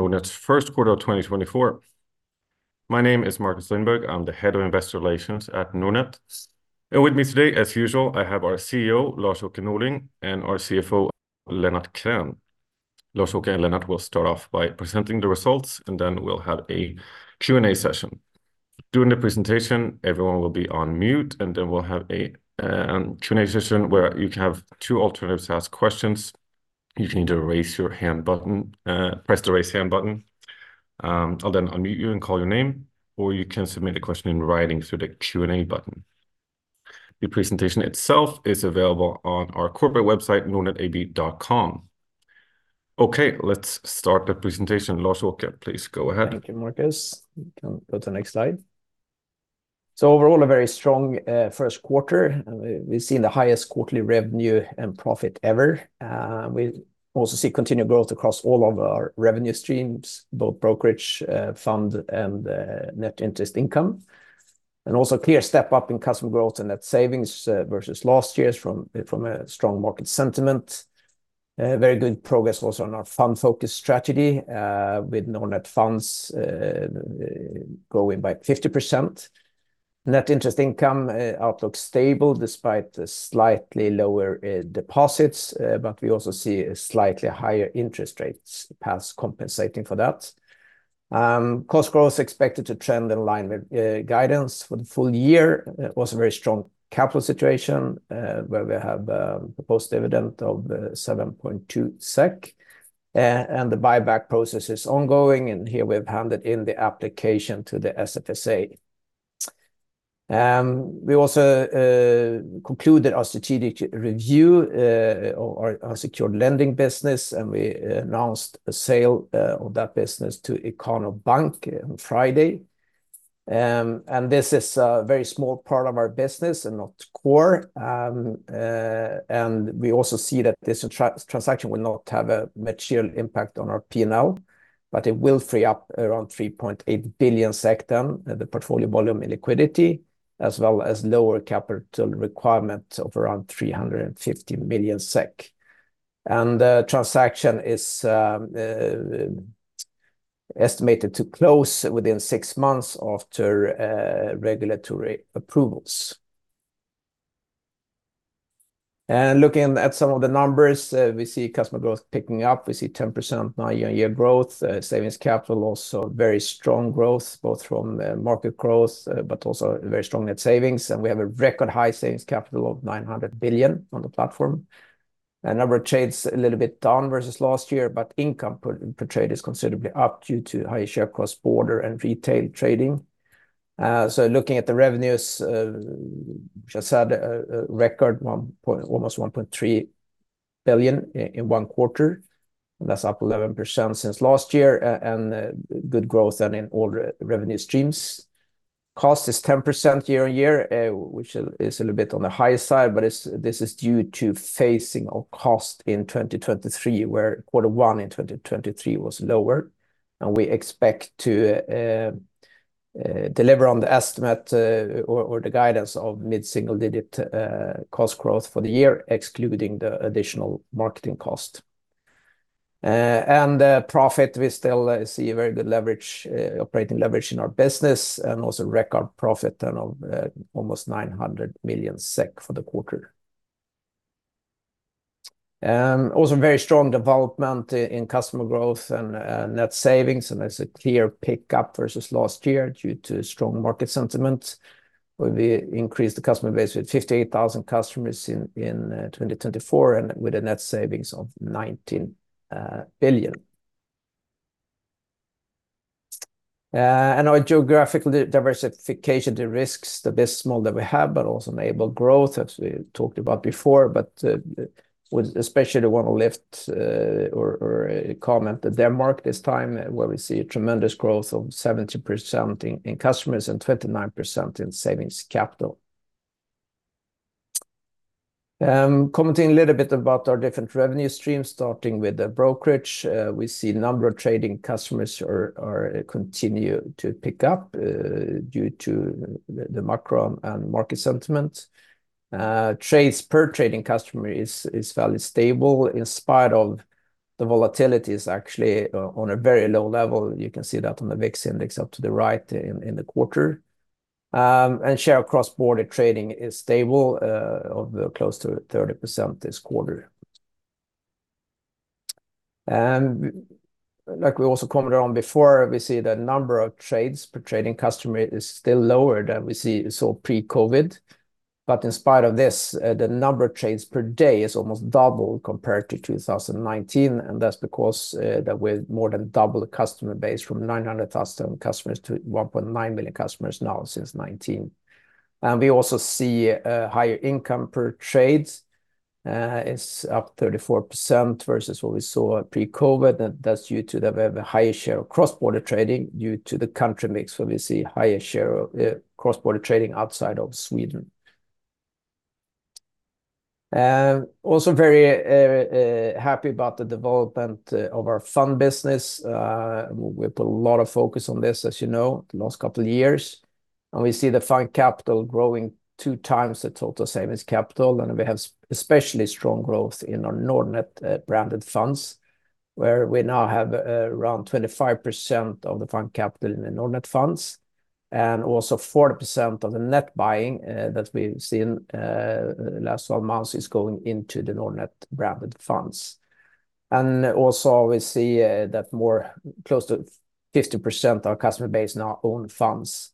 Nordnet's first quarter of 2024. My name is Marcus Lindberg, I'm the Head of Investor Relations at Nordnet. With me today, as usual, I have our CEO, Lars-Åke Norling, and our CFO, Lennart Krän. Lars-Åke and Lennart will start off by presenting the results, and then we'll have a Q&A session. During the presentation, everyone will be on mute, and then we'll have a Q&A session where you can have two alternatives to ask questions. You can either raise your hand button, press the raise hand button. I'll then unmute you and call your name, or you can submit a question in writing through the Q&A button. The presentation itself is available on our corporate website, nordnetab.com. Okay, let's start the presentation. Lars-Åke, please go ahead. Thank you, Marcus. You can go to the next slide. So overall, a very strong first quarter. We've seen the highest quarterly revenue and profit ever. We also see continued growth across all of our revenue streams, both brokerage, fund, and net interest income. And also a clear step up in customer growth and net savings versus last years from a strong market sentiment. Very good progress also on our fund-focused strategy, with Nordnet Funds growing by 50%. Net interest income outlook stable despite slightly lower deposits, but we also see slightly higher interest rates compensating for that. Cost growth expected to trend in line with guidance for the full year. Also a very strong capital situation where we have a proposed dividend of 7.2 SEK. And the buyback process is ongoing, and here we've handed in the application to the SFSA. We also concluded our strategic review of our secured lending business, and we announced a sale of that business to Ikano Bank on Friday. This is a very small part of our business and not core. We also see that this transaction will not have a material impact on our P&L, but it will free up around 3.8 billion then, the portfolio volume in liquidity, as well as lower capital requirements of around 350 million SEK. The transaction is estimated to close within six months after regulatory approvals. Looking at some of the numbers, we see customer growth picking up. We see 10% now year-on-year growth. Savings capital also very strong growth, both from market growth, but also very strong net savings. We have a record high savings capital of 900 billion on the platform. Number of trades a little bit down versus last year, but income per trade is considerably up due to high cross-border and retail trading. Looking at the revenues, which I said, record, almost 1.3 billion in one quarter. That's up 11% since last year, and good growth then in all revenue streams. Cost is 10% year-on-year, which is a little bit on the high side, but this is due to lower costs in 2023, where quarter one in 2023 was lower. We expect to deliver on the estimate or the guidance of mid-single-digit cost growth for the year, excluding the additional marketing cost. Profit, we still see very good operating leverage in our business and also record profit of almost 900 million SEK for the quarter. Also very strong development in customer growth and net savings, and there's a clear pickup versus last year due to strong market sentiment. We increased the customer base with 58,000 customers in 2024 and with a net savings of 19 billion. And our geographical diversification, the risks are the smallest that we have, but also enable growth as we talked about before. But especially I want to lift or comment on Denmark this time where we see tremendous growth of 70% in customers and 29% in savings capital. Commenting a little bit about our different revenue streams, starting with the brokerage, we see a number of trading customers continue to pick up due to the macro and market sentiment. Trades per trading customer is fairly stable in spite of the volatility is actually on a very low level. You can see that on the VIX index up to the right in the quarter. Share cross-board trading is stable at close to 30% this quarter. Like we also commented on before, we see that number of trades per trading customer is still lower than we saw pre-COVID. But in spite of this, the number of trades per day is almost double compared to 2019, and that's because we're more than double the customer base from 900,000 customers to 1.9 million customers now since 2019. And we also see higher income per trades. It's up 34% versus what we saw pre-COVID. That's due to the higher share of cross-border trading due to the country mix where we see higher share of cross-border trading outside of Sweden. Also very happy about the development of our fund business. We put a lot of focus on this, as you know, the last couple of years. We see the fund capital growing 2 times the total savings capital. We have especially strong growth in our Nordnet branded funds where we now have around 25% of the fund capital in the Nordnet funds. Also 40% of the net buying that we've seen the last 12 months is going into the Nordnet branded funds. Also we see that more close to 50% of our customer base now own funds.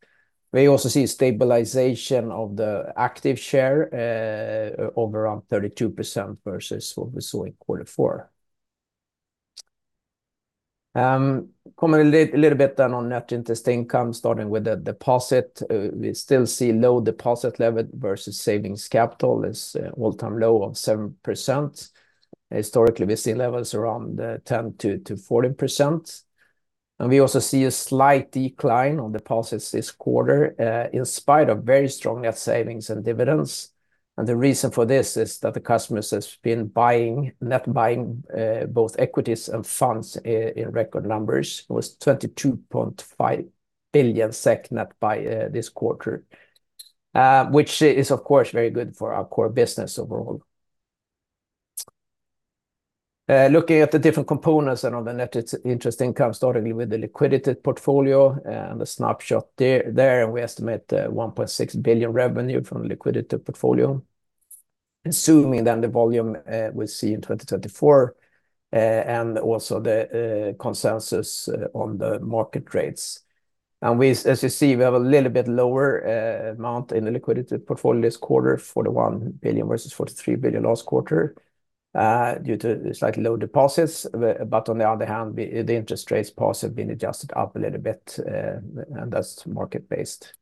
We also see stabilization of the active share of around 32% versus what we saw in quarter four. Coming a little bit then on net interest income, starting with the deposit, we still see low deposit level versus savings capital. It's all-time low of 7%. Historically, we've seen levels around 10%-14%. We also see a slight decline on deposits this quarter in spite of very strong net savings and dividends. The reason for this is that the customers have been buying, net buying, both equities and funds in record numbers. It was 22.5 billion net by this quarter, which is, of course, very good for our core business overall. Looking at the different components and on the net interest income, starting with the liquidity portfolio and the snapshot there, and we estimate 1.6 billion revenue from the liquidity portfolio. Assuming then the volume we see in 2024 and also the consensus on the market rates. As you see, we have a little bit lower amount in the liquidity portfolio this quarter, 41 billion versus 43 billion last quarter due to slightly low deposits. But on the other hand, the interest rates positive have been adjusted up a little bit, and that's market-based.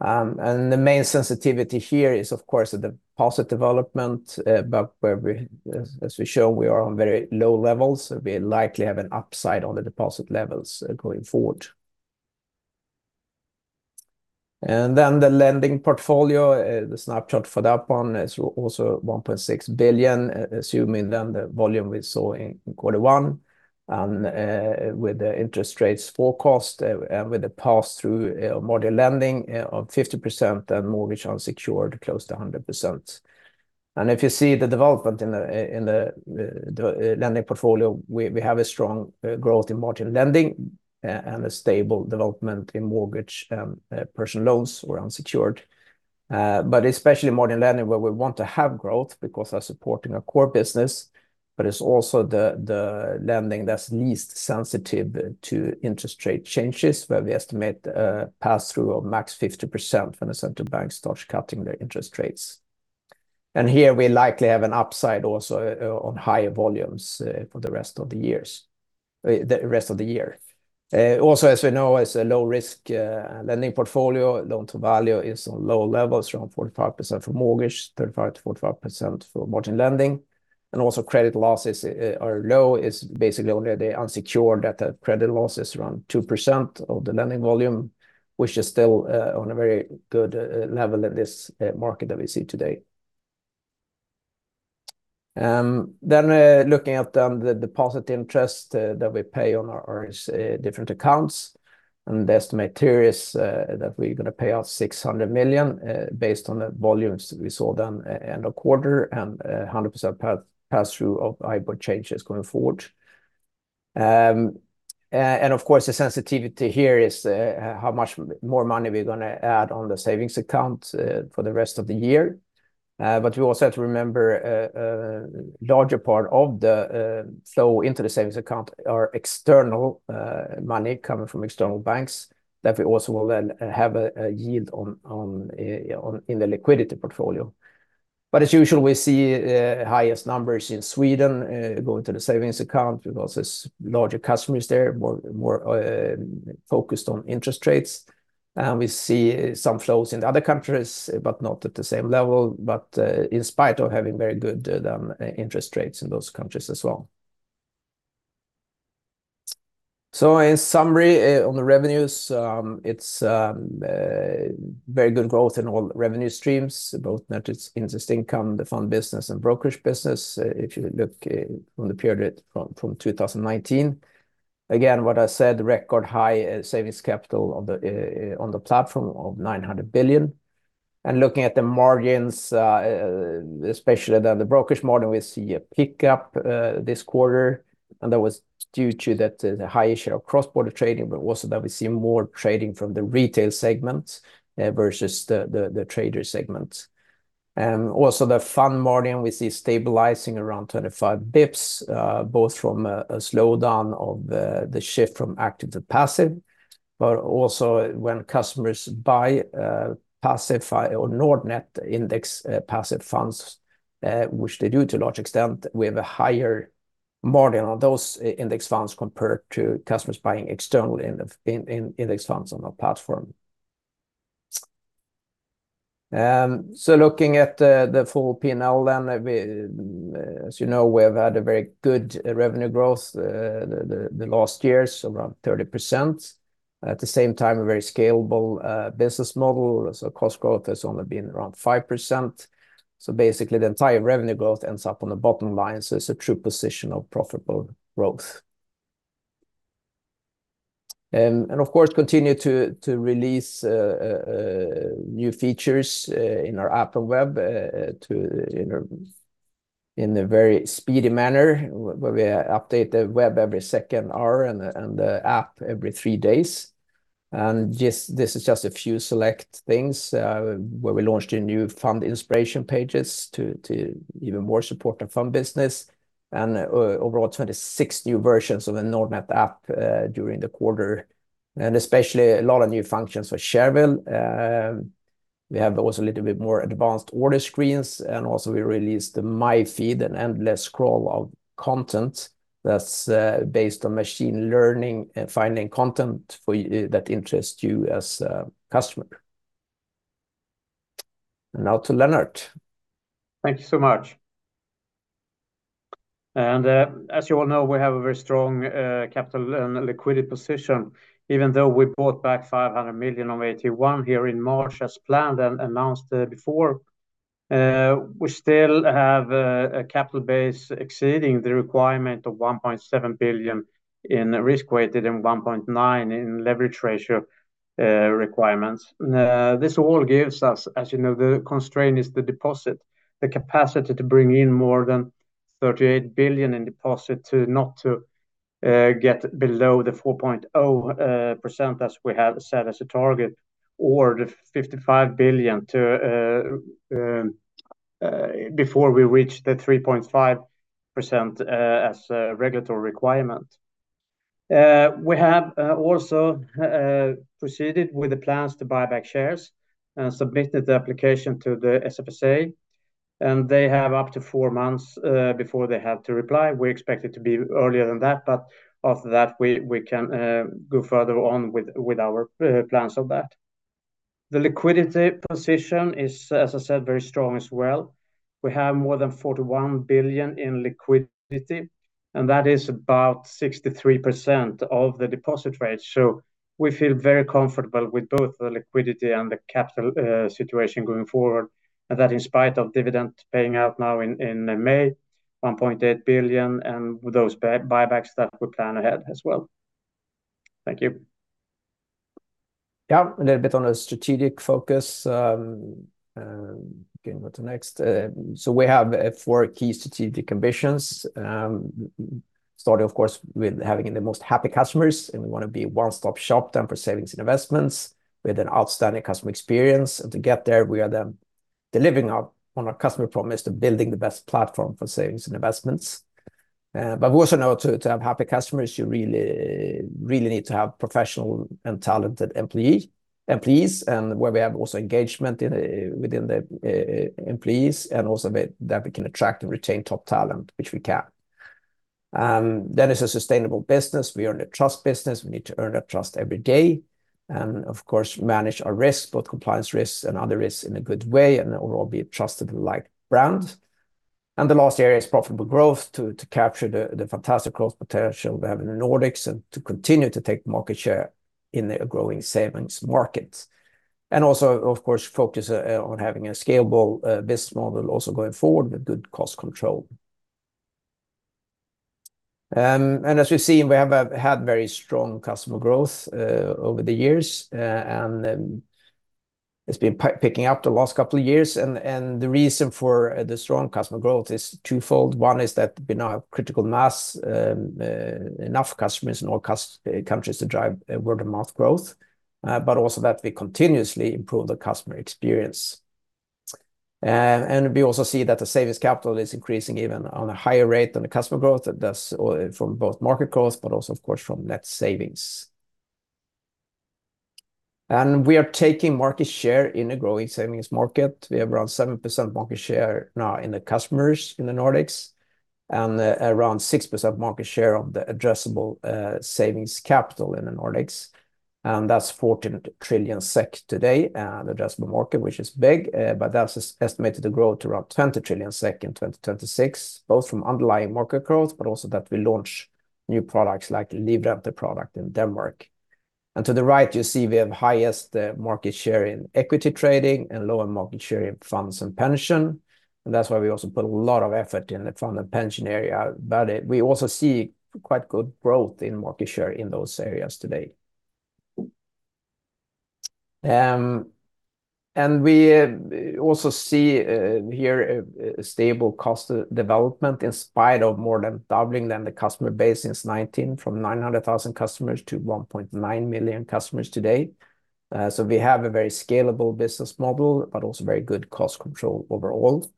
And the main sensitivity here is, of course, the positive development, but as we show, we are on very low levels. We likely have an upside on the deposit levels going forward. And then the lending portfolio, the snapshot for that one is also 1.6 billion, assuming then the volume we saw in quarter one with the interest rates forecast and with the pass-through of mortgage lending of 50% and mortgage unsecured close to 100%. And if you see the development in the lending portfolio, we have a strong growth in mortgage lending and a stable development in mortgage and personal loans or unsecured. But especially mortgage lending where we want to have growth because we're supporting our core business, but it's also the lending that's least sensitive to interest rate changes where we estimate pass-through of max 50% when the central banks start cutting their interest rates. And here we likely have an upside also on higher volumes for the rest of the years. The rest of the year. Also, as we know, as a low-risk lending portfolio, loan to value is on low levels, around 45% for mortgage, 35%-45% for mortgage lending. And also credit losses are low. It's basically only the unsecured that have credit losses around 2% of the lending volume, which is still on a very good level in this market that we see today. Then looking at the deposit interest that we pay on our different accounts. The estimate here is that we're going to pay out 600 million based on the volumes we saw then end of quarter and 100% pass-through of IBOR changes going forward. Of course, the sensitivity here is how much more money we're going to add on the savings account for the rest of the year. But we also have to remember a larger part of the flow into the savings account are external money coming from external banks that we also will then have a yield on in the liquidity portfolio. As usual, we see highest numbers in Sweden going to the savings account because there's larger customers there, more focused on interest rates. We see some flows in the other countries, but not at the same level, but in spite of having very good interest rates in those countries as well. So in summary, on the revenues, it's very good growth in all revenue streams, both net interest income, the fund business, and brokerage business if you look from the period from 2019. Again, what I said, record high savings capital on the platform of 900 billion. And looking at the margins, especially then the brokerage margin, we see a pickup this quarter. And that was due to the higher share of cross-border trading, but also that we see more trading from the retail segment versus the trader segment. Also the fund margin, we see stabilizing around 25 basis points, both from a slowdown of the shift from active to passive. But also when customers buy passive or Nordnet index passive funds, which they do to a large extent, we have a higher margin on those index funds compared to customers buying external index funds on our platform. So looking at the full P&L then, as you know, we have had a very good revenue growth the last years, around 30%. At the same time, a very scalable business model. So cost growth has only been around 5%. So basically, the entire revenue growth ends up on the bottom line. So it's a true position of profitable growth. And of course, continue to release new features in our app and web in a very speedy manner where we update the web every second hour and the app every three days. And this is just a few select things where we launched new fund inspiration pages to even more support of fund business. And overall, 26 new versions of the Nordnet app during the quarter. And especially a lot of new functions for Shareville. We have also a little bit more advanced order screens. Also we released the My Feed, an endless scroll of content that's based on machine learning and finding content that interests you as a customer. Now to Lennart. Thank you so much. As you all know, we have a very strong capital and liquidity position. Even though we bought back 500 million in Q1 here in March as planned and announced before, we still have a capital base exceeding the requirement of 1.7 billion in risk-weighted and 1.9 in leverage ratio requirements. This all gives us, as you know, the constraint is the deposit, the capacity to bring in more than 38 billion in deposit to not get below the 4.0% as we have set as a target or the 55 billion before we reach the 3.5% as a regulatory requirement. We have also proceeded with the plans to buy back shares and submitted the application to the SFSA. They have up to four months before they have to reply. We expect it to be earlier than that. After that, we can go further on with our plans on that. The liquidity position is, as I said, very strong as well. We have more than 41 billion in liquidity. That is about 63% of the deposit rate. We feel very comfortable with both the liquidity and the capital situation going forward. That in spite of dividend paying out now in May, 1.8 billion and those buybacks that we plan ahead as well. Thank you. Yeah, a little bit on a strategic focus. Again, what's next? So we have four key strategic ambitions, starting, of course, with having the most happy customers. And we want to be a one-stop shop then for savings and investments with an outstanding customer experience. And to get there, we are then delivering up on our customer promise to building the best platform for savings and investments. But we also know to have happy customers, you really, really need to have professional and talented employees and where we have also engagement within the employees and also that we can attract and retain top talent, which we can. Then it's a sustainable business. We earn a trust business. We need to earn that trust every day and, of course, manage our risks, both compliance risks and other risks in a good way and overall be a trusted and liked brand. The last area is profitable growth to capture the fantastic growth potential we have in the Nordics and to continue to take market share in a growing savings market. Also, of course, focus on having a scalable business model also going forward with good cost control. As we've seen, we have had very strong customer growth over the years. It's been picking up the last couple of years. The reason for the strong customer growth is twofold. One is that we now have critical mass, enough customers in all countries to drive word-of-mouth growth, but also that we continuously improve the customer experience. We also see that the savings capital is increasing even on a higher rate than the customer growth from both market growth, but also, of course, from net savings. We are taking market share in a growing savings market. We have around 7% market share now in the customers in the Nordics and around 6% market share of the addressable savings capital in the Nordics. And that's 14 trillion SEK today in the addressable market, which is big. But that's estimated to grow to around 20 trillion SEK in 2026, both from underlying market growth, but also that we launch new products like the Livrente product in Denmark. And to the right, you see we have highest market share in equity trading and lower market share in funds and pension. And that's why we also put a lot of effort in the fund and pension area. But we also see quite good growth in market share in those areas today. We also see here a stable cost development in spite of more than doubling then the customer base since 2019 from 900,000 customers to 1.9 million customers today. We have a very scalable business model, but also very good cost control overall.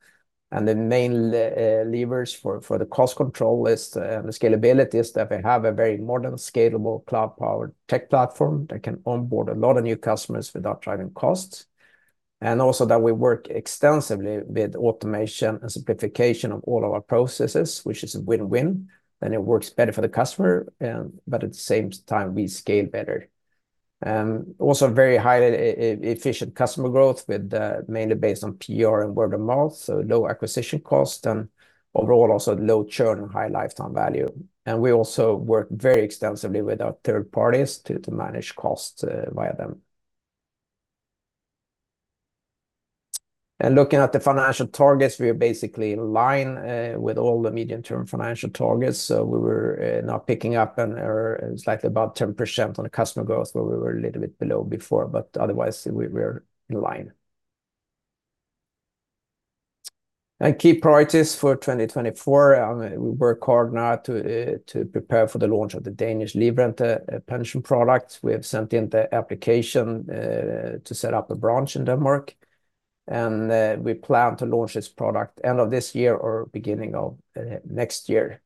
The main levers for the cost control and the scalability is that we have a very modern, scalable, cloud-powered tech platform that can onboard a lot of new customers without driving costs. And also that we work extensively with automation and simplification of all of our processes, which is a win-win. It works better for the customer, but at the same time, we scale better. Very highly efficient customer growth mainly based on PR and word-of-mouth, so low acquisition cost and overall also low churn and high lifetime value. We also work very extensively with our third parties to manage costs via them. Looking at the financial targets, we are basically in line with all the medium-term financial targets. So we were now picking up slightly above 10% on the customer growth where we were a little bit below before. But otherwise, we are in line. Key priorities for 2024, we work hard now to prepare for the launch of the Danish Livrente pension product. We have sent in the application to set up a branch in Denmark. We plan to launch this product end of this year or beginning of next year.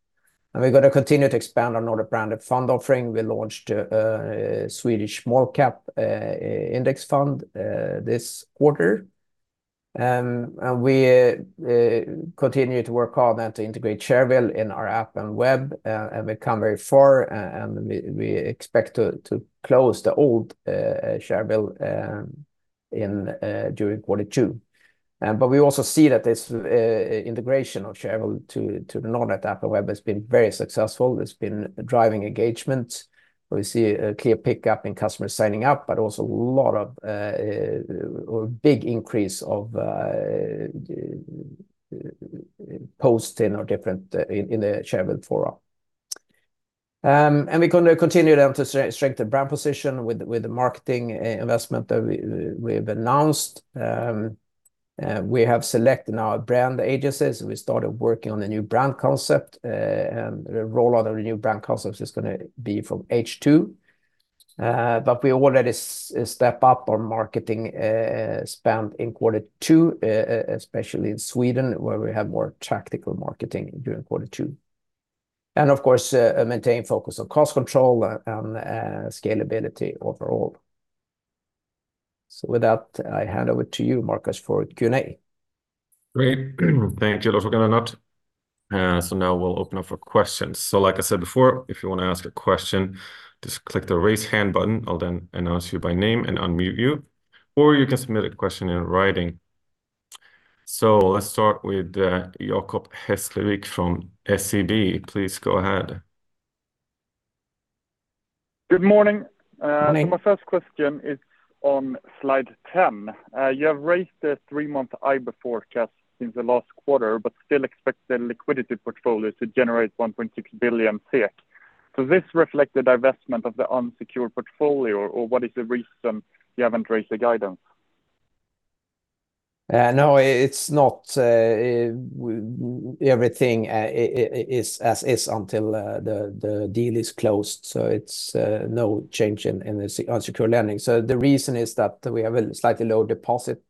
We're going to continue to expand our Nordic branded fund offering. We launched a Swedish small-cap index fund this quarter. We continue to work hard then to integrate Shareville in our app and web. We've come very far. We expect to close the old Shareville during quarter two. We also see that this integration of Shareville to the Nordnet app and web has been very successful. It's been driving engagement. We see a clear pickup in customers signing up, but also a lot of big increase of posting in the Shareville forum. We're going to continue then to strengthen brand position with the marketing investment that we've announced. We have selected now brand agencies. We started working on a new brand concept. The rollout of the new brand concept is going to be from H2. We already step up our marketing spend in quarter two, especially in Sweden where we have more tactical marketing during quarter two. Of course, maintain focus on cost control and scalability overall. With that, I hand over to you, Marcus, for Q&A. Great. Thank you, also for Lennart. So now we'll open up for questions. So like I said before, if you want to ask a question, just click the raise hand button. I'll then announce you by name and unmute you. Or you can submit a question in writing. So let's start with Jacob Hesslevik from SEB. Please go ahead. Good morning. My first question is on slide 10. You have raised a three-month IBOR forecast since the last quarter, but still expect the liquidity portfolio to generate 1.6 billion. Does this reflect the divestment of the unsecured portfolio, or what is the reason you haven't raised the guidance? No, it's not. Everything is as is until the deal is closed. So it's no change in the unsecured lending. So the reason is that we have a slightly lower deposit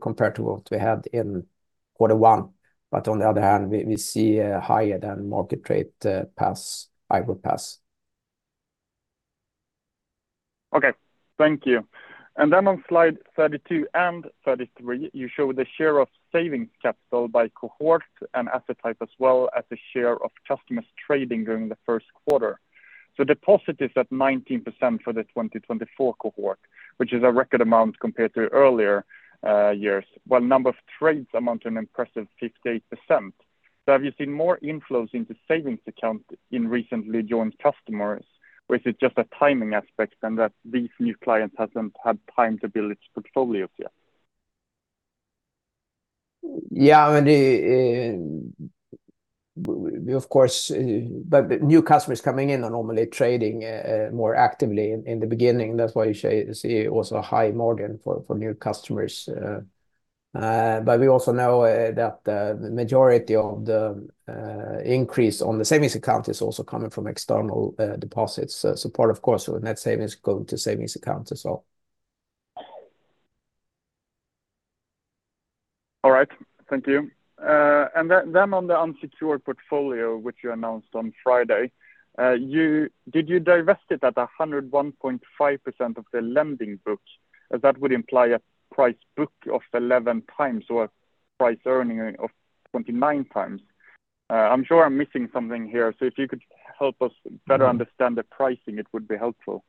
compared to what we had in quarter one. But on the other hand, we see higher than market rate pass, IBOR pass. Okay. Thank you. And then on slide 32 and 33, you show the share of savings capital by cohort and asset type as well as the share of customers trading during the first quarter. So deposit is at 19% for the 2024 cohort, which is a record amount compared to earlier years, while number of trades amount to an impressive 58%. So have you seen more inflows into savings accounts in recently joined customers, or is it just a timing aspect and that these new clients haven't had time to build its portfolios yet? Yeah, I mean, of course, but new customers coming in are normally trading more actively in the beginning. That's why you see also a high margin for new customers. But we also know that the majority of the increase on the savings account is also coming from external deposits. So part, of course, of net savings going to savings accounts as well. All right. Thank you. And then on the unsecured portfolio, which you announced on Friday, did you divest it at 101.5% of the lending book? That would imply a price book of 11x or price earning of 29x. I'm sure I'm missing something here. So if you could help us better understand the pricing, it would be helpful.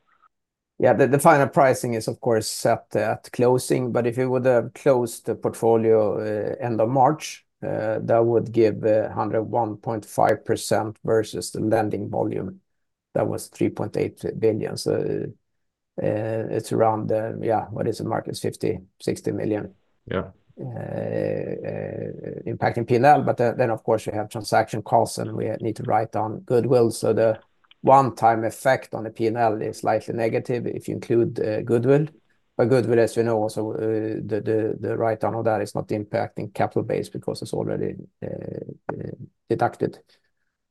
Yeah, the final pricing is, of course, set at closing. But if you would have closed the portfolio end of March, that would give 101.5% versus the lending volume that was 3.8 billion. So it's around, yeah, what is it, Marcus, 50 million-60 million impacting P&L. But then, of course, you have transaction costs, and we need to write down goodwill. So the one-time effect on the P&L is slightly negative if you include goodwill. But goodwill, as you know, also the write-down of that is not impacting capital base because it's already deducted.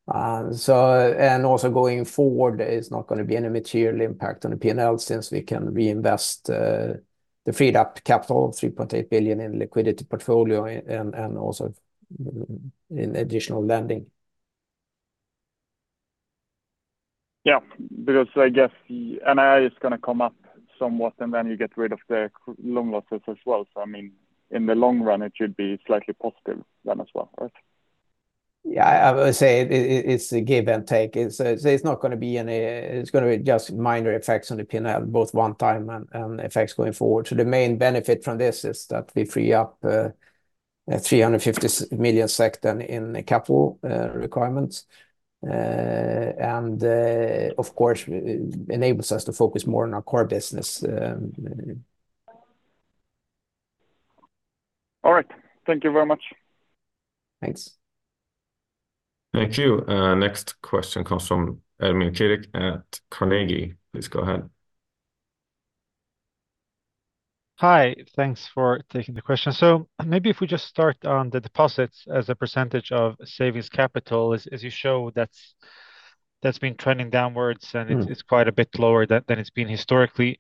And also going forward, there is not going to be any material impact on the P&L since we can reinvest the freed-up capital, 3.8 billion, in liquidity portfolio and also in additional lending. Yeah, because I guess the NII is going to come up somewhat, and then you get rid of the loan losses as well. So I mean, in the long run, it should be slightly positive then as well, right? Yeah, I would say it's a give and take. So it's not going to be just minor effects on the P&L, both one-time and effects going forward. So the main benefit from this is that we free up 350 million then in capital requirements. And of course, it enables us to focus more on our core business. All right. Thank you very much. Thanks. Thank you. Next question comes from Ermin Keric at Carnegie. Please go ahead. Hi. Thanks for taking the question. Maybe if we just start on the deposits as a percentage of savings capital, as you show, that's been trending downwards, and it's quite a bit lower than it's been historically.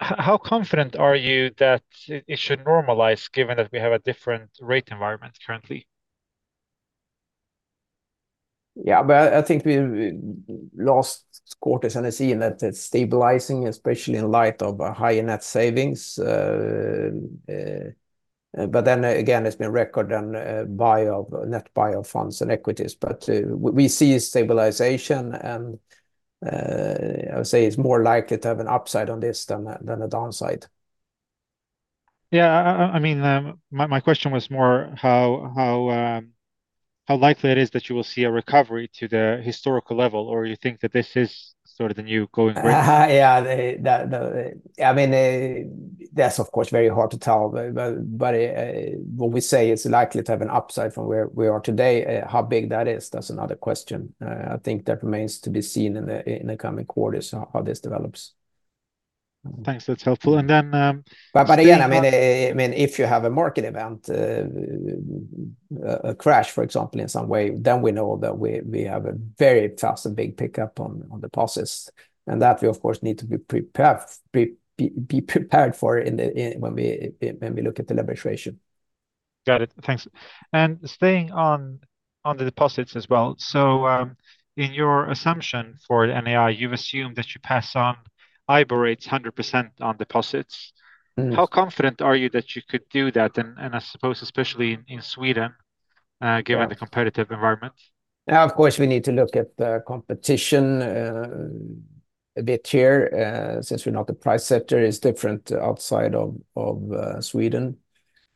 How confident are you that it should normalize given that we have a different rate environment currently? Yeah, but I think last quarter, as you've seen, that it's stabilizing, especially in light of high net savings. But then again, it's been record-high net buy of funds and equities. But we see stabilization. And I would say it's more likely to have an upside on this than a downside. Yeah, I mean, my question was more how likely it is that you will see a recovery to the historical level, or you think that this is sort of the new going great? Yeah. I mean, that's, of course, very hard to tell. But what we say is likely to have an upside from where we are today. How big that is, that's another question. I think that remains to be seen in the coming quarters how this develops. Thanks. That's helpful. And then. But again, I mean, if you have a market event, a crash, for example, in some way, then we know that we have a very fast and big pickup on deposits. And that we, of course, need to be prepared for when we look at the leverage ratio. Got it. Thanks. Staying on the deposits as well. In your assumption for NII, you've assumed that you pass on IBOR rates 100% on deposits. How confident are you that you could do that? And I suppose, especially in Sweden, given the competitive environment. Yeah, of course, we need to look at the competition a bit here since we're not the price setter. It's different outside of Sweden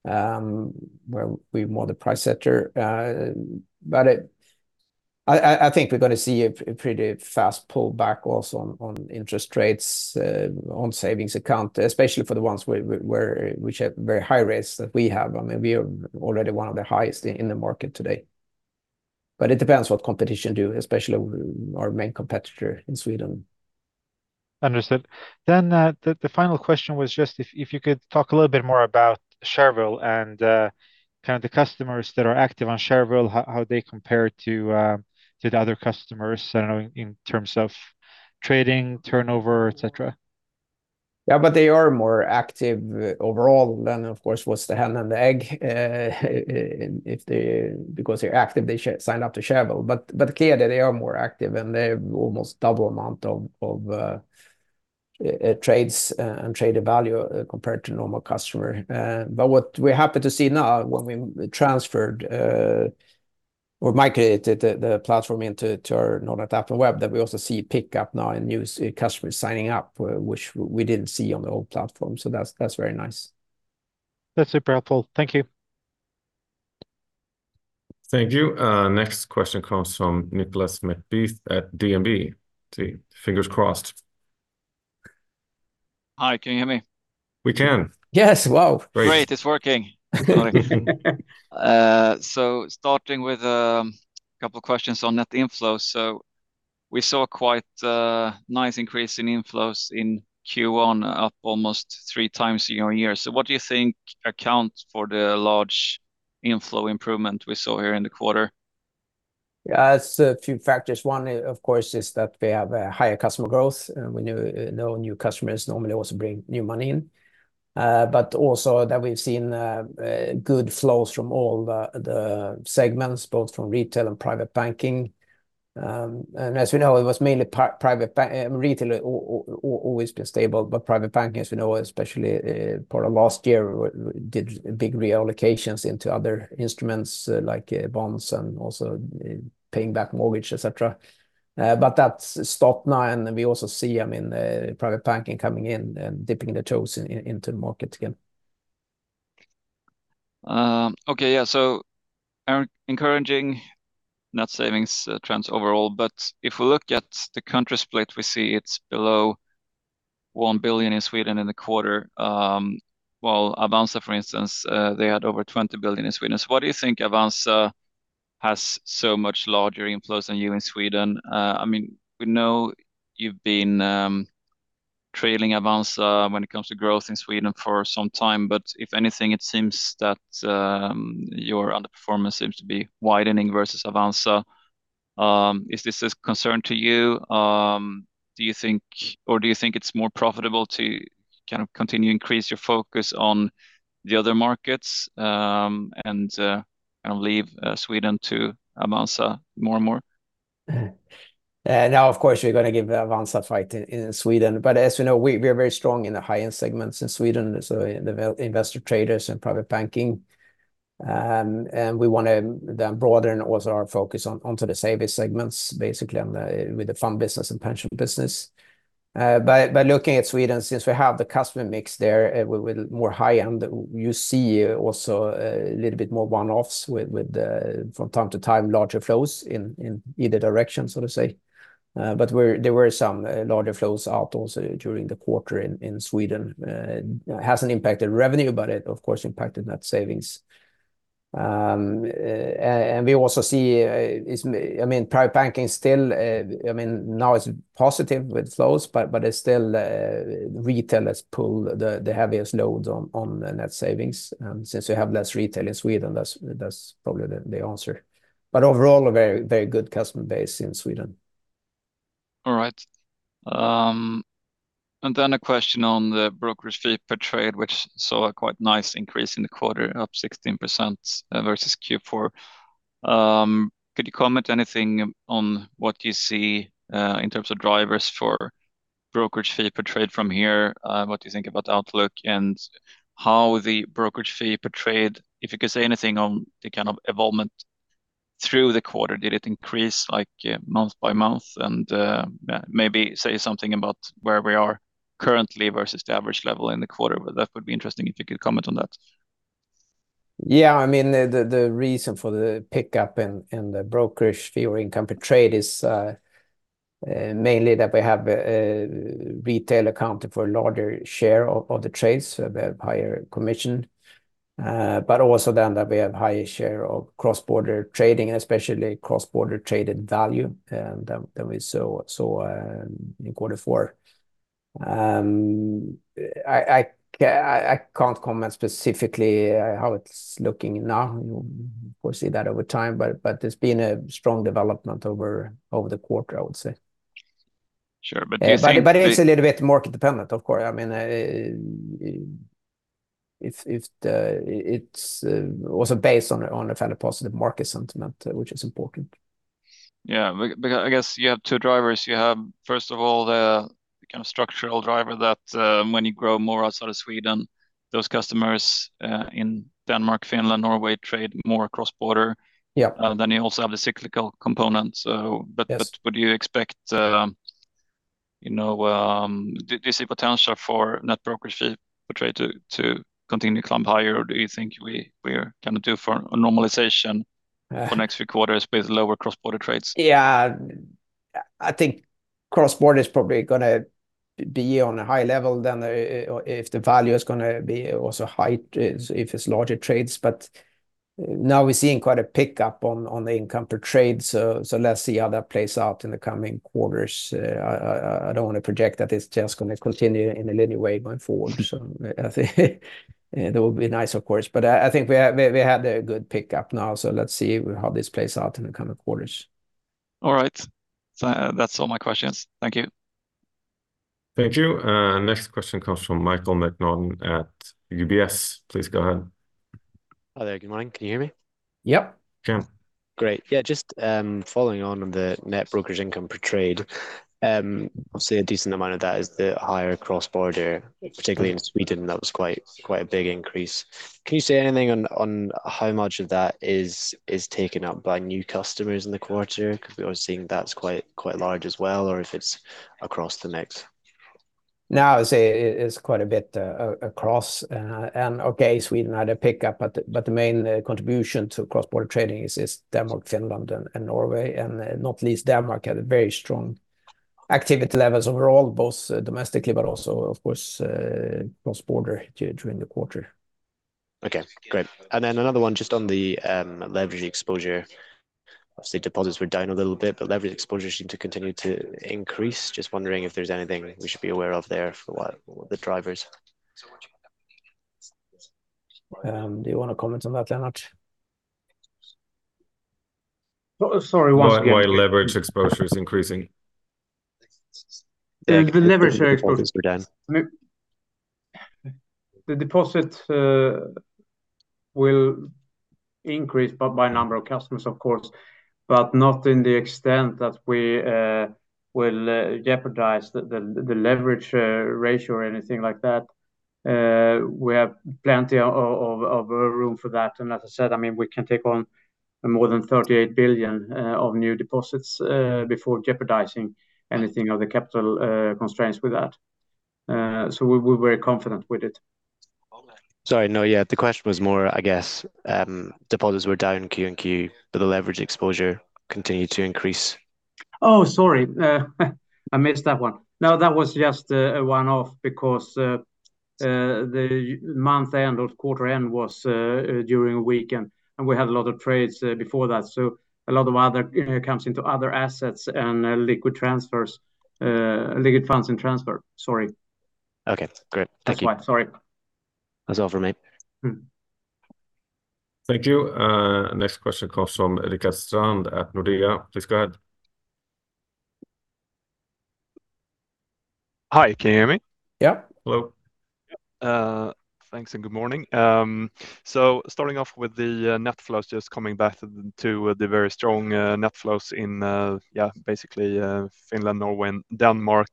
where we're more the price setter. But I think we're going to see a pretty fast pullback also on interest rates on savings account, especially for the ones which have very high rates that we have. I mean, we are already one of the highest in the market today. But it depends what competition do, especially our main competitor in Sweden. Understood. Then the final question was just if you could talk a little bit more about Shareville and kind of the customers that are active on Shareville, how they compare to the other customers, I don't know, in terms of trading, turnover, etc.? Yeah, but they are more active overall than, of course, what's the hen and the egg. Because they're active, they sign up to Shareville. But clearly, they are more active, and they have almost double amount of trades and traded value compared to normal customers. But what we're happy to see now when we transferred or migrated the platform into our Nordnet app and web, that we also see pickup now in new customers signing up, which we didn't see on the old platform. So that's very nice. That's super helpful. Thank you. Thank you. Next question comes from Nicolas McBeath at DNB. Fingers crossed. Hi. Can you hear me? We can. Yes. Wow. Great. Great. It's working. So starting with a couple of questions on net inflows. So we saw a quite nice increase in inflows in Q1, up almost three times year-on-year. So what do you think accounts for the large inflow improvement we saw here in the quarter? Yeah, it's a few factors. One, of course, is that we have higher customer growth. We know new customers normally also bring new money in. But also that we've seen good flows from all the segments, both from retail and private banking. And as we know, it was mainly private retail has always been stable. But private banking, as we know, especially part of last year, did big reallocations into other instruments like bonds and also paying back mortgage, etc. But that's stopped now. And we also see, I mean, private banking coming in and dipping their toes into the market again. Okay. Yeah. Encouraging net savings trends overall. But if we look at the country split, we see it's below 1 billion in Sweden in the quarter. While Avanza, for instance, they had over 20 billion in Sweden. So what do you think Avanza has so much larger inflows than you in Sweden? I mean, we know you've been trailing Avanza when it comes to growth in Sweden for some time. But if anything, it seems that your underperformance seems to be widening versus Avanza. Is this a concern to you? Do you think, or do you think it's more profitable to kind of continue to increase your focus on the other markets and kind of leave Sweden to Avanza more and more? Now, of course, we're going to give Avanza a fight in Sweden. But as we know, we are very strong in the high-end segments in Sweden, so investor traders and private banking. And we want to then broaden also our focus onto the savings segments, basically, with the fund business and pension business. But looking at Sweden, since we have the customer mix there with more high-end, you see also a little bit more one-offs from time to time, larger flows in either direction, so to say. But there were some larger flows out also during the quarter in Sweden. It hasn't impacted revenue, but it, of course, impacted net savings. And we also see, I mean, private banking is still, I mean, now it's positive with flows, but it's still retailers pull the heaviest loads on net savings. Since we have less retail in Sweden, that's probably the answer. Overall, a very good customer base in Sweden. All right. Then a question on the brokerage fee per trade, which saw a quite nice increase in the quarter, up 16% versus Q4. Could you comment anything on what you see in terms of drivers for brokerage fee per trade from here, what you think about outlook, and how the brokerage fee per trade, if you could say anything on the kind of evolvement through the quarter, did it increase month by month? And maybe say something about where we are currently versus the average level in the quarter. That would be interesting if you could comment on that. Yeah. I mean, the reason for the pickup in the brokerage fee or income per trade is mainly that we have retail accounting for a larger share of the trades, so we have higher commission. But also then that we have a higher share of cross-border trading, especially cross-border traded value that we saw in quarter four. I can't comment specifically how it's looking now. We'll see that over time. But there's been a strong development over the quarter, I would say. Sure. But do you think? It's a little bit market-dependent, of course. I mean, if it's also based on a fairly positive market sentiment, which is important. Yeah. I guess you have two drivers. You have, first of all, the kind of structural driver that when you grow more outside of Sweden, those customers in Denmark, Finland, Norway trade more cross-border. Then you also have the cyclical component. But would you expect you see potential for net brokerage fee per trade to continue to climb higher, or do you think we are kind of due for a normalization for the next few quarters with lower cross-border trades? Yeah. I think cross-border is probably going to be on a higher level than if the value is going to be also higher if it's larger trades. But now we're seeing quite a pickup on the income per trade. So let's see how that plays out in the coming quarters. I don't want to project that it's just going to continue in a linear way going forward. So I think it will be nice, of course. But I think we had a good pickup now. So let's see how this plays out in the coming quarters. All right. So that's all my questions. Thank you. Thank you. Next question comes from Michael McNaughton at UBS. Please go ahead. Hi there. Good morning. Can you hear me? Yep. Can. Great. Yeah. Just following on on the net brokerage income per trade, obviously, a decent amount of that is the higher cross-border, particularly in Sweden. That was quite a big increase. Can you say anything on how much of that is taken up by new customers in the quarter? Because we are seeing that's quite large as well, or if it's across the mix? Now, I would say it's quite a bit across. Okay, Sweden had a pickup. But the main contribution to cross-border trading is Denmark, Finland, and Norway. Not least, Denmark had very strong activity levels overall, both domestically but also, of course, cross-border during the quarter. Okay. Great. And then another one just on the leverage exposure. Obviously, deposits were down a little bit, but leverage exposure seemed to continue to increase. Just wondering if there's anything we should be aware of there for the drivers. Do you want to comment on that, Lennart? Sorry. Once again. Why leverage exposure is increasing? The leverage exposure. The deposit will increase by number of customers, of course, but not in the extent that we will jeopardize the leverage ratio or anything like that. We have plenty of room for that. And as I said, I mean, we can take on more than 38 billion of new deposits before jeopardizing anything of the capital constraints with that. So we're very confident with it. Sorry. No, yeah. The question was more, I guess, deposits were down Q&Q, but the leverage exposure continued to increase. Oh, sorry. I missed that one. No, that was just a one-off because the month-end or quarter-end was during a weekend. We had a lot of trades before that. A lot of other comes into other assets and liquid funds in transfer. Sorry. Okay. Great. Thank you. That's why. Sorry. That's all from me. Thank you. Next question comes from Eric Strand at Nordea. Please go ahead. Hi. Can you hear me? Yep. Hello? Thanks and good morning. Starting off with the net flows, just coming back to the very strong net flows in, yeah, basically, Finland, Norway, and Denmark.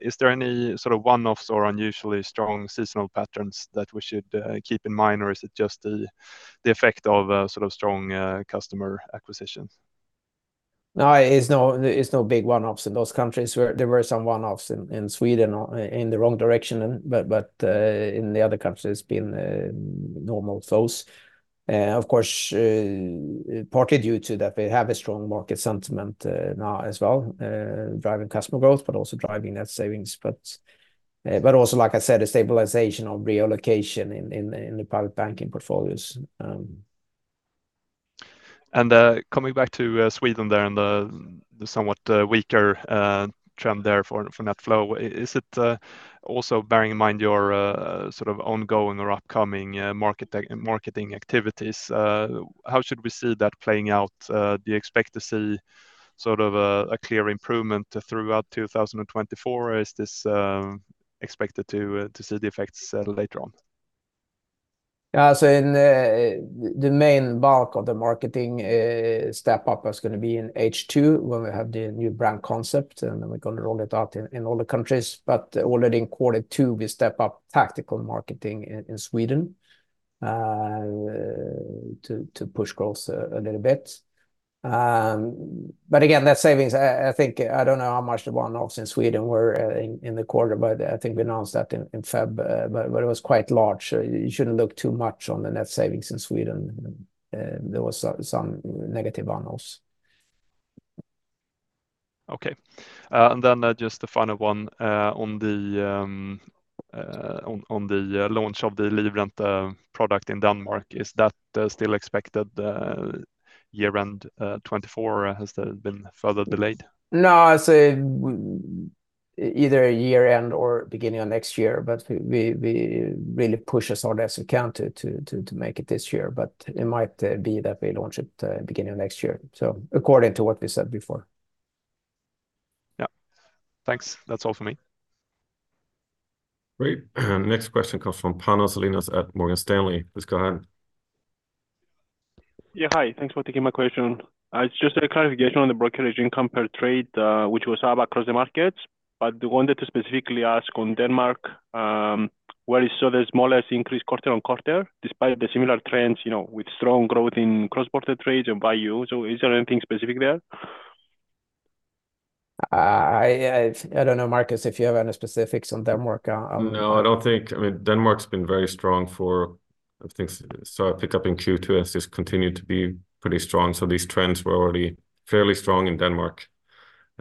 Is there any sort of one-offs or unusually strong seasonal patterns that we should keep in mind, or is it just the effect of sort of strong customer acquisitions? No, it's no big one-offs in those countries. There were some one-offs in Sweden in the wrong direction, but in the other countries, it's been normal flows. Of course, partly due to that we have a strong market sentiment now as well, driving customer growth, but also driving net savings. But also, like I said, a stabilization of reallocation in the private banking portfolios. Coming back to Sweden there and the somewhat weaker trend there for net flow, is it also bearing in mind your sort of ongoing or upcoming marketing activities? How should we see that playing out? Do you expect to see sort of a clear improvement throughout 2024, or is this expected to see the effects later on? Yeah. So the main bulk of the marketing step-up is going to be in H2 when we have the new brand concept. Then we're going to roll it out in all the countries. But already in quarter two, we step up tactical marketing in Sweden to push growth a little bit. But again, net savings, I don't know how much the one-offs in Sweden were in the quarter, but I think we announced that in February. But it was quite large. You shouldn't look too much on the net savings in Sweden. There was some negative one-offs. Okay. And then just the final one on the launch of the Livrente product in Denmark. Is that still expected year-end 2024, or has that been further delayed? No, I'd say either year-end or beginning of next year. But we really push as hard as we can to make it this year. But it might be that we launch it beginning of next year, so according to what we said before. Yeah. Thanks. That's all from me. Great. Next question comes from Panos Ellinas at Morgan Stanley. Please go ahead. Yeah. Hi. Thanks for taking my question. It's just a clarification on the brokerage income per trade, which was about across the markets. But I wanted to specifically ask on Denmark, where you saw the smallest increase quarter-on-quarter despite the similar trends with strong growth in cross-border trades and value. So is there anything specific there? I don't know, Marcus, if you have any specifics on Denmark? No, I don't think. I mean, Denmark's been very strong for I think it started picking up in Q2 and has just continued to be pretty strong. So these trends were already fairly strong in Denmark.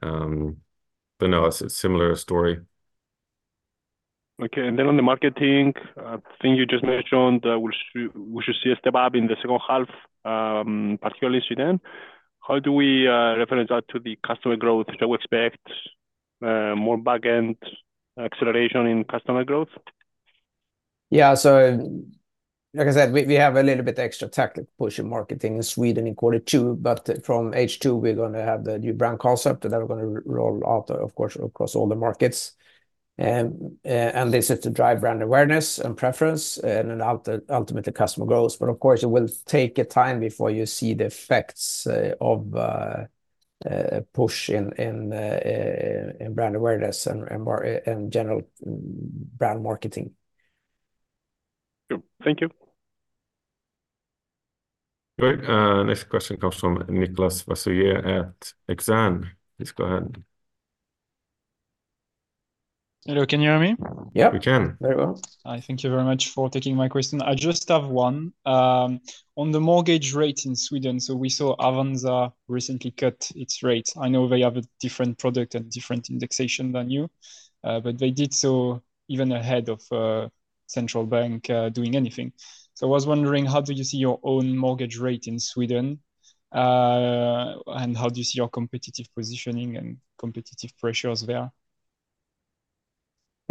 But no, it's a similar story. Okay. And then on the marketing, things you just mentioned that we should see a step-up in the second half, particularly in Sweden. How do we reference that to the customer growth? Do we expect more back-end acceleration in customer growth? Yeah. So like I said, we have a little bit extra tactical push in marketing in Sweden in quarter two. But from H2, we're going to have the new brand concept that we're going to roll out, of course, across all the markets. And this is to drive brand awareness and preference and ultimately customer growth. But of course, it will take time before you see the effects of a push in brand awareness and general brand marketing. Thank you. Great. Next question comes from Nicolas Vaysselier at Exane BNP Paribas. Please go ahead. Hello. Can you hear me? Yep. We can. Very well. Hi. Thank you very much for taking my question. I just have one. On the mortgage rate in Sweden, so we saw Avanza recently cut its rate. I know they have a different product and different indexation than you, but they did so even ahead of central bank doing anything. So I was wondering, how do you see your own mortgage rate in Sweden? And how do you see your competitive positioning and competitive pressures there?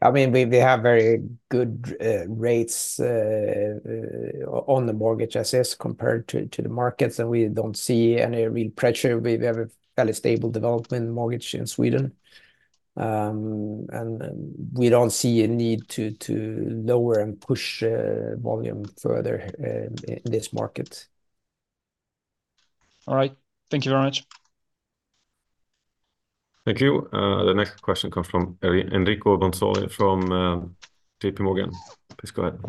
I mean, they have very good rates on the mortgage assets compared to the markets. We don't see any real pressure. We have a fairly stable development mortgage in Sweden. We don't see a need to lower and push volume further in this market. All right. Thank you very much. Thank you. The next question comes from Enrico Bolzoni from JPMorgan. Please go ahead.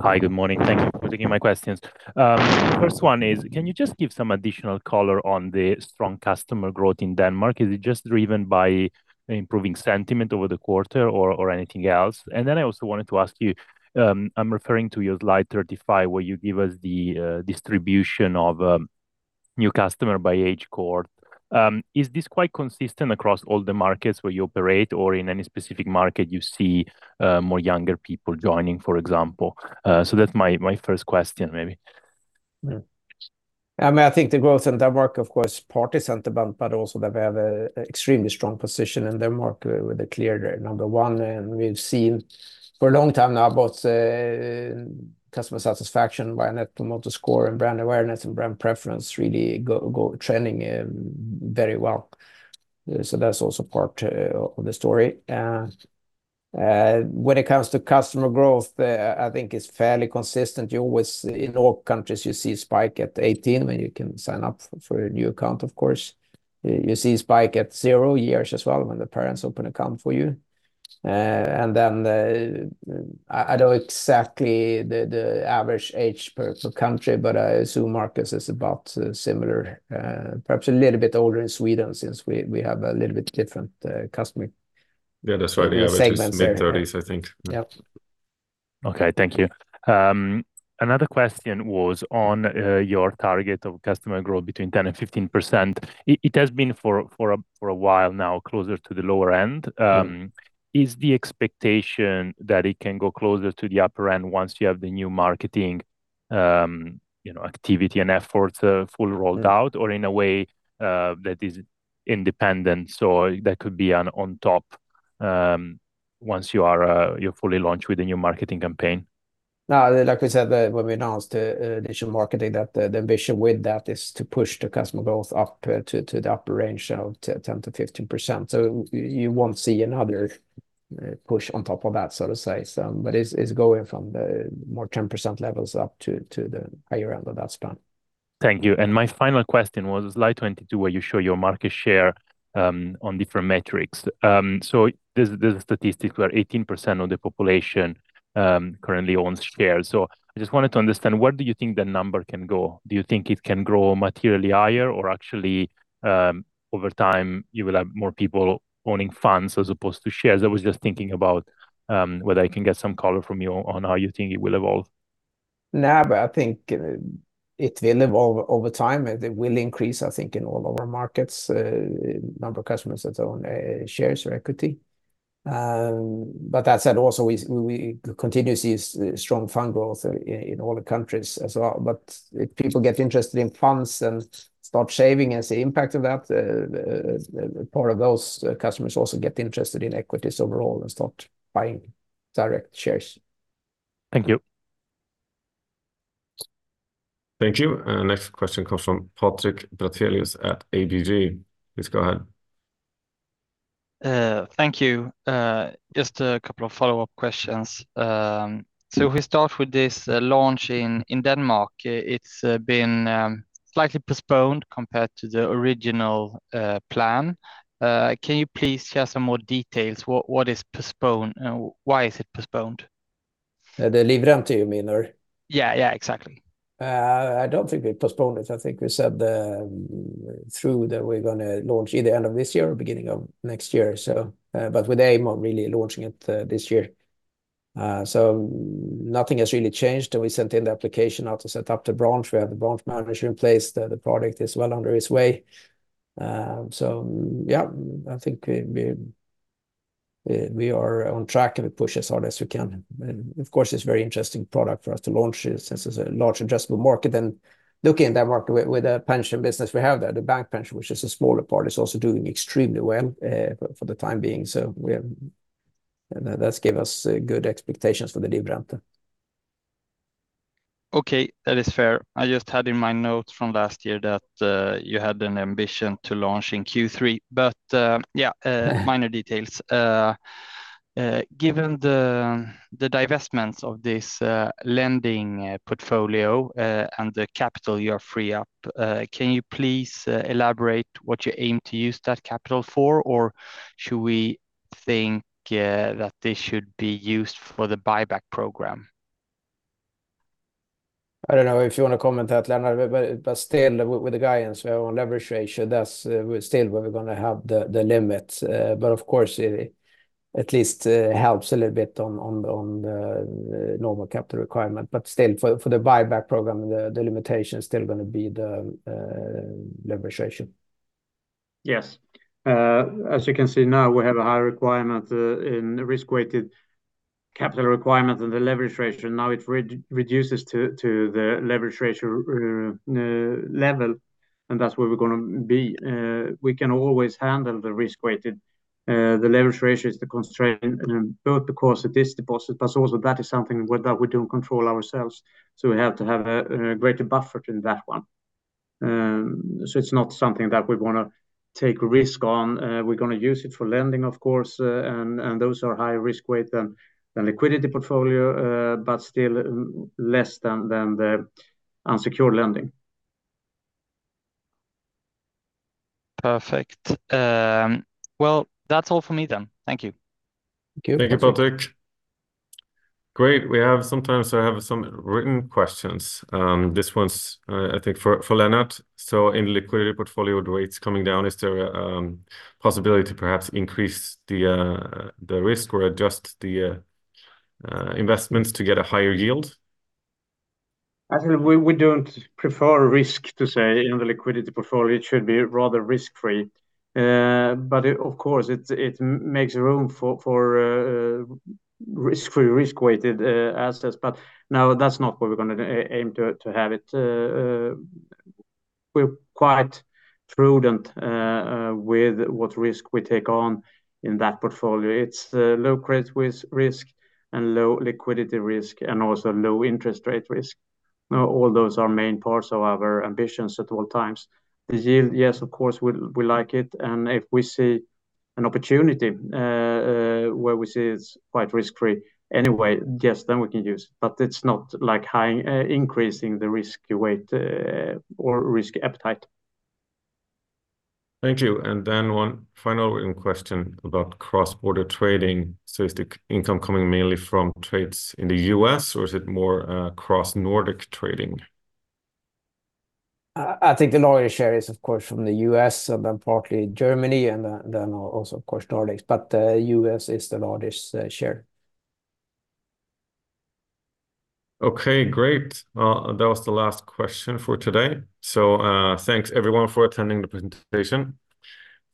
Hi. Good morning. Thank you for taking my questions. First one is, can you just give some additional color on the strong customer growth in Denmark? Is it just driven by improving sentiment over the quarter or anything else? And then I also wanted to ask you, I'm referring to your slide 35 where you give us the distribution of new customer by age cohort. Is this quite consistent across all the markets where you operate, or in any specific market, you see more younger people joining, for example? So that's my first question, maybe. I mean, I think the growth in Denmark, of course, is partly sentiment, but also that we have an extremely strong position in Denmark with a clear number one. We've seen for a long time now both customer satisfaction by a Net Promoter Score and brand awareness and brand preference really go trending very well. That's also part of the story. When it comes to customer growth, I think it's fairly consistent. In all countries, you see a spike at 18 when you can sign up for a new account, of course. You see a spike at zero years as well when the parents open an account for you. Then I don't know exactly the average age per country, but I assume Marcus is about similar, perhaps a little bit older in Sweden since we have a little bit different customer segment. Yeah, that's right. The average is mid-30s, I think. Yep. Okay. Thank you. Another question was on your target of customer growth between 10%-15%. It has been for a while now closer to the lower end. Is the expectation that it can go closer to the upper end once you have the new marketing activity and efforts fully rolled out, or in a way that is independent so that could be on top once you fully launch with a new marketing campaign? No, like we said, when we announced initial marketing, the ambition with that is to push the customer growth up to the upper range of 10%-15%. So you won't see another push on top of that, so to say. But it's going from the more 10% levels up to the higher end of that span. Thank you. My final question was slide 22 where you show your market share on different metrics. There's a statistic where 18% of the population currently owns shares. I just wanted to understand, where do you think that number can go? Do you think it can grow materially higher, or actually, over time, you will have more people owning funds as opposed to shares? I was just thinking about whether I can get some color from you on how you think it will evolve. No, but I think it will evolve over time. It will increase, I think, in all our markets, the number of customers that own shares or equity. But that said, also, we continue to see strong fund growth in all the countries as well. But if people get interested in funds and start saving and see the impact of that, part of those customers also get interested in equities overall and start buying direct shares. Thank you. Thank you. Next question comes from Patrik Brattelius at ABG. Please go ahead. Thank you. Just a couple of follow-up questions. If we start with this launch in Denmark, it's been slightly postponed compared to the original plan. Can you please share some more details? Why is it postponed? The Livrente you mean, or? Yeah, yeah, exactly. I don't think we postponed it. I think we said through that we're going to launch either end of this year or beginning of next year, but with the aim of really launching it this year. So nothing has really changed. We sent in the application out to set up the branch. We have the branch manager in place. The product is well under way. So yeah, I think we are on track, and we push as hard as we can. Of course, it's a very interesting product for us to launch since it's a large addressable market. Looking at that market with the pension business we have there, the bank pension, which is a smaller part, is also doing extremely well for the time being. So that's given us good expectations for the Livrente. Okay. That is fair. I just had in my notes from last year that you had an ambition to launch in Q3. But yeah, minor details. Given the divestments of this lending portfolio and the capital you are free up, can you please elaborate what you aim to use that capital for, or should we think that this should be used for the buyback program? I don't know if you want to comment that, Lennart, but still, with the guidance we have on leverage ratio, that's still where we're going to have the limit. But of course, it at least helps a little bit on the normal capital requirement. But still, for the buyback program, the limitation is still going to be the leverage ratio. Yes. As you can see now, we have a higher requirement in risk-weighted capital requirement than the leverage ratio. Now it reduces to the leverage ratio level, and that's where we're going to be. We can always handle the risk-weighted. The leverage ratio is the constraint in both the cost of this deposit, but also, that is something that we don't control ourselves. So we have to have a greater buffer in that one. So it's not something that we want to take risk on. We're going to use it for lending, of course. And those are higher risk-weight than liquidity portfolio, but still less than the unsecured lending. Perfect. Well, that's all for me then. Thank you. Thank you. Thank you, Patrik. Great. Sometimes I have some written questions. This one's, I think, for Lennart. So in liquidity portfolio, with rates coming down, is there a possibility to perhaps increase the risk or adjust the investments to get a higher yield? I think we don't prefer risk, to say, in the liquidity portfolio. It should be rather risk-free. But of course, it makes room for risk-free, risk-weighted assets. But now, that's not what we're going to aim to have it. We're quite prudent with what risk we take on in that portfolio. It's low-credit risk and low-liquidity risk and also low-interest-rate risk. All those are main parts of our ambitions at all times. The yield, yes, of course, we like it. And if we see an opportunity where we see it's quite risk-free anyway, yes, then we can use it. But it's not like increasing the risk weight or risk appetite. Thank you. And then one final question about cross-border trading. So is the income coming mainly from trades in the U.S., or is it more cross-Nordic trading? I think the largest share is, of course, from the U.S. and then partly Germany and then also, of course, Nordics. But the U.S. is the largest share. Okay. Great. That was the last question for today. Thanks, everyone, for attending the presentation.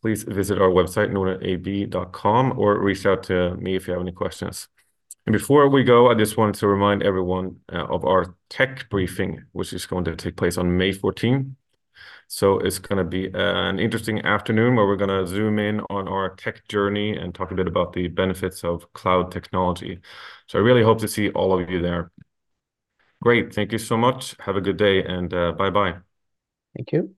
Please visit our website, nordnetab.com, or reach out to me if you have any questions. Before we go, I just wanted to remind everyone of our tech briefing, which is going to take place on May 14. It's going to be an interesting afternoon where we're going to zoom in on our tech journey and talk a bit about the benefits of cloud technology. I really hope to see all of you there. Great. Thank you so much. Have a good day, and bye-bye. Thank you.